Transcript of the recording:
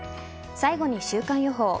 最後に週間予報。